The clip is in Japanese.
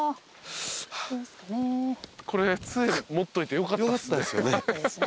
これつえ持っといてよかったっすね。